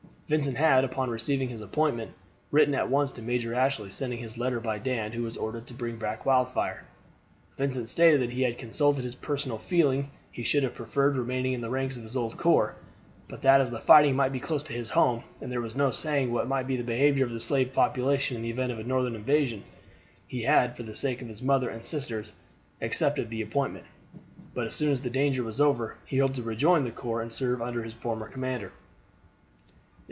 Vincent had, upon receiving his appointment, written at once to Major Ashley, sending his letter by Dan, who was ordered to bring back Wildfire. Vincent stated that had he consulted his personal feeling he should have preferred remaining in the ranks of his old corps; but that as the fighting might be close to his home, and there was no saying what might be the behavior of the slave population in the event of a Northern invasion, he had, for the sake of his mother and sisters, accepted the appointment, but as soon as the danger was over he hoped to rejoin the corps and serve under his former commander.